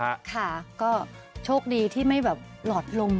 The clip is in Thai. ค่ะก็โชคดีที่ไม่แบบหลอดลม